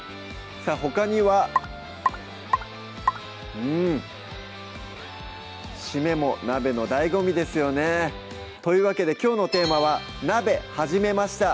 さぁほかにはうんシメも鍋の醍醐味ですよねというわけできょうのテーマは「鍋はじめました！」